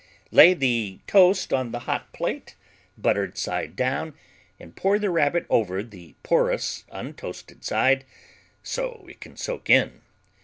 Lay the toast on the hot plate, buttered side down, and pour the Rabbit over the porous untoasted side so it can soak in.